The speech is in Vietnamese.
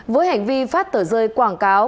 với hành vi phát tờ rơi quảng cáo